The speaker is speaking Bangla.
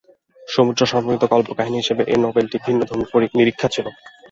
সমুদ্র সম্পর্কিত কল্পকাহিনী হিসেবে এই নভেলাটিতে ভিন্নধর্মী নিরীক্ষা ছিল।